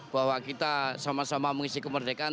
bahwa kita sama sama mengisi kemerdekaan